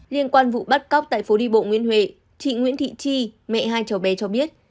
liên quan vụ bắt cóc tại phố đi bộ nguyễn huệ chị nguyễn thị chi mẹ hai cháu bé cho biết